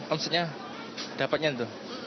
omsetnya dapatnya itu